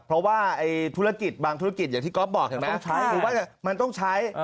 เพราะว่าบางธุรกิจอย่างที่ก๊อฟบอกมันต้องใช้